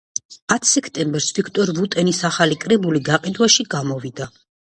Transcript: ათ სექტემბერს ვიქტორ ვუტენის ახალი კრებული გაყიდვაში გამოვდა.